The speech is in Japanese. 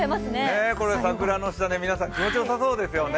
桜の下で皆さん気持ちよさそうですよね。